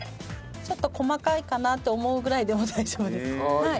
ちょっと細かいかなって思うぐらいでも大丈夫です。